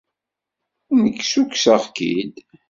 Nekk ssukkseɣ-k-id.